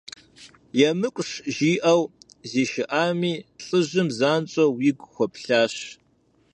– ЕмыкӀущ, – жиӀэу зишыӀами, лӀыжьым занщӀэу игу хуэплъащ.